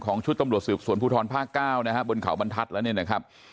ชุดตำรวจสืบสวนภูทรภาคเก้านะฮะบนเขาบรรทัศน์แล้วเนี่ยนะครับ